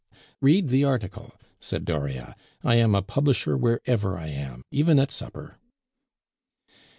"Read the article," said Dauriat. "I am a publisher wherever I am, even at supper."